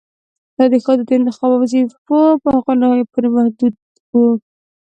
دا د ښځو د انتخاب او وظيفو په حقونو پورې محدود و